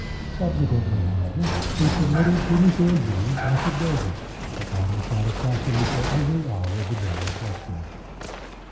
Subsequently, however, he submitted to Monsieur G——, affidavits, accounting satisfactorily for every hour of the day in question.